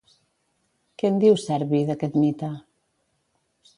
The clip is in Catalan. Què en diu, Servi, d'aquest mite?